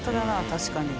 確かに。